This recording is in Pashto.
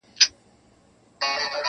نه طبیب نه عزراییل مو خواته راغی -